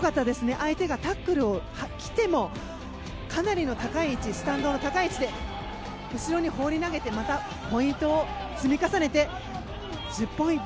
相手がタックル来てもかなりの高い位置にスタンドの高い位置で後ろに放り投げてまたポイントを積み重ねて１０ポイント。